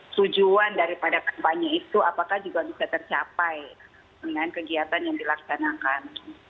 tujuan daripada kampanye itu apakah juga bisa tercapai dengan kegiatan yang dilaksanakan